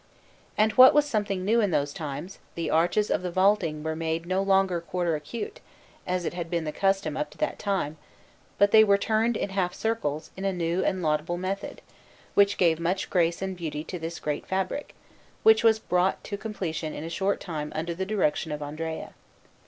And what was something new in those times, the arches of the vaulting were made no longer quarter acute, as it had been the custom up to that time, but they were turned in half circles in a new and laudable method, which gave much grace and beauty to this great fabric, which was brought to completion in a short time under the direction of Andrea.